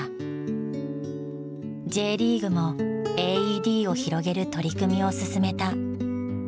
ＪリーグもＡＥＤを広げる取り組みを進めた。